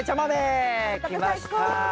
きました。